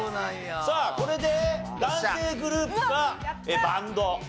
さあこれで男性グループかバンド。